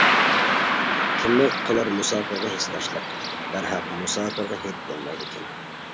كىممۇ قىلار مۇساپىرغا ھېسداشلىق، بەرھەق مۇساپىرغا ھېيت بولمايدىكەن.